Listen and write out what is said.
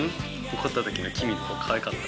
怒った時のキミの顔かわいかった。